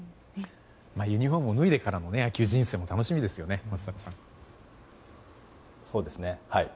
ユニホームを脱いでからの野球人生も楽しみですよね